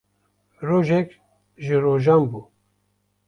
Rojek ji rojan bû